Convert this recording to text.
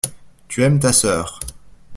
Tu aimes ta sœur.